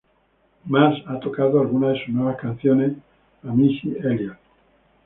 Mars ha tocado algunas de sus nuevas canciones a Missy Elliot.